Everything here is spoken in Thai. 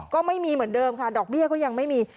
ก็ไม่มีเหมือนเดิมค่ะดอกเบี้ยก็ยังไม่มี